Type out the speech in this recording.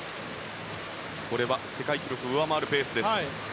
これは世界記録を上回るペースです。